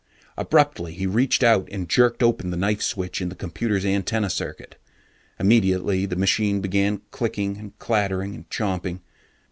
Abruptly he reached out and jerked open the knife switch in the computer's antenna circuit. Immediately the machine began clicking and clattering and chomping.